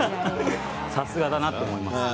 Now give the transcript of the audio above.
さすがだなと思いました。